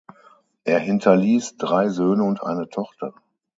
Er hinterließ drei Söhne und eine Tochter.